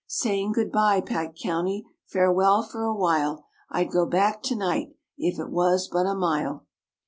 Saying, good bye, Pike County, Farewell for a while; I'd go back to night If it was but a mile.